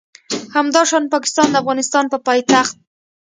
همداشان پاکستان د افغانستان په پایتخت